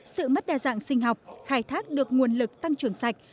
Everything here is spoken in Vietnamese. sự mất đa dạng sinh học khai thác được nguồn lực tăng trưởng sạch